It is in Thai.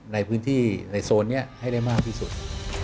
ในพื้นที่ในโซนนี้ให้ได้มากพิสูจน์